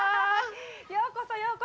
ようこそ、ようこ